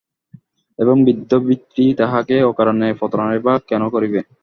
এবং বৃদ্ধ ভৃত্য তাঁহাকে অকারণে প্রতারণাই বা কেন করিবে।